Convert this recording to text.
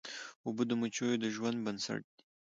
اوبه د مچیو د ژوند بنسټ دي.